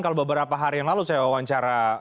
kalau beberapa hari yang lalu saya wawancara